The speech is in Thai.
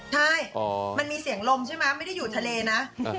ใช่มันมีเสียงลมใช่ไหมไม่ได้อยู่ทะเลนะ